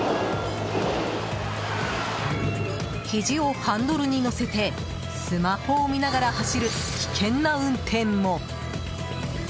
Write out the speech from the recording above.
ひじをハンドルに乗せてスマホを見ながら走る危険な運転も。